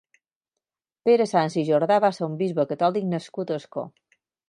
Pere Sans i Jordà va ser un bisbe catòlic nascut a Ascó.